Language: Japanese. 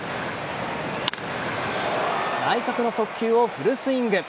内角の速球をフルスイング。